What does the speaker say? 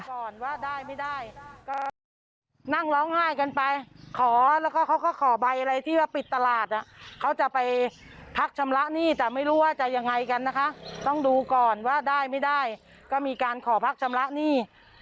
ก่อนว่าได้ไม่ได้ก็นั่งร้องไห้กันไปขอแล้วก็เขาก็ขอใบอะไรที่ว่าปิดตลาดอ่ะเขาจะไปพักชำระหนี้แต่ไม่รู้ว่าจะยังไงกันนะคะต้องดูก่อนว่าได้ไม่ได้ก็มีการขอพักชำระหนี้